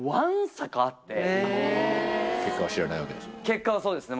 結果はそうですね